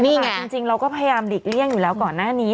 นี่ไงจริงเราก็พยายามหลีกเลี่ยงอยู่แล้วก่อนหน้านี้